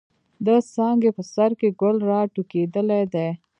د څانګې په سر کښې ګل را ټوكېدلے دے۔